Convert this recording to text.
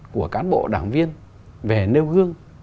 của cán bộ đảng viên về nêu gương